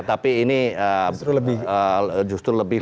tapi ini justru lebih